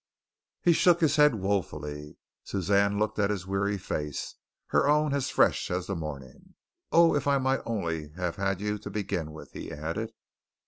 He shook his head woefully. Suzanne looked at his weary face, her own as fresh as the morning. "Oh, if I might only have had you to begin with!" he added.